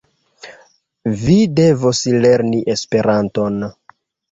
Vi devos lerni Esperanton.